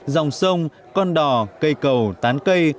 dòng sông con đỏ cây cầu tán cây